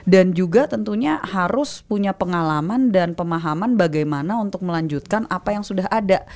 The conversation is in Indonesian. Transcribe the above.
dan juga tentunya harus punya pengalaman dan pemahaman bagaimana untuk melanjutkan apa yang sudah ada